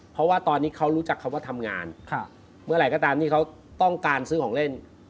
เพราะว่าตอนนี้เขารู้จักคำว่าทำงานเมื่อไหร่ก็ตามที่เขาต้องการซื้อของเล่น